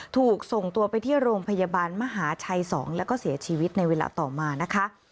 ถูกส่งตัวไปที่โรงพยาบาลมหาชัย๒แล้วก็เสียชีวิตในเวลาต่อมานะคะ